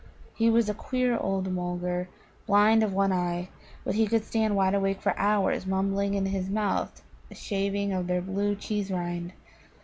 He was a queer old Mulgar, blind of one eye, but he could stand wide awake for hours mumbling in his mouth a shaving of their blue cheese rind.